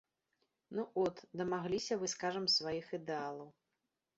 Ну, от, дамагліся вы, скажам, сваіх ідэалаў.